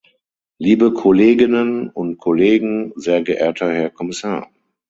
Liebe Kolleginnen und Kollegen, sehr geehrter Herr Kommissar!